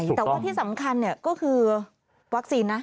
แต่ว่าที่สำคัญก็คือวัคซีนนะ